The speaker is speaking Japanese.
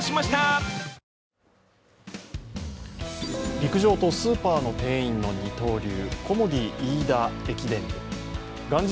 陸上とスーパーの店員の二刀流、コモディイイダ駅伝部。